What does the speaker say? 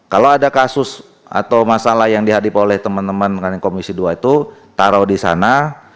kalau ada kasus atau masalah yang dihadip oleh teman teman komisi dua itu taruh di sana